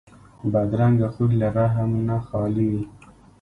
بدرنګه خوی له رحم نه خالي وي